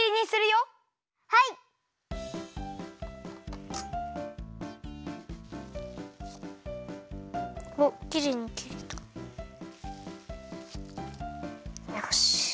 よし。